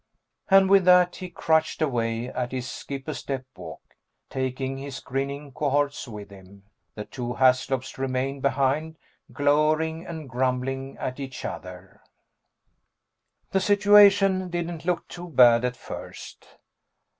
And with that he crutched away at his skip a step walk, taking his grinning cohorts with him. The two Haslops remained behind, glowering and grumbling at each other. The situation didn't look too bad at first.